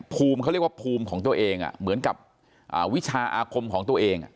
ภูมิเขาเรียกว่าภูมิของตัวเองเหมือนกับวิชาอาคมของตัวเอง